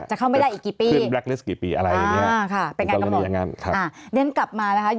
จะเข้าไม่ได้อีกกี่ปีเป็นการกำหนดอย่างนั้นค่ะเน้นกลับมาแล้วค่ะ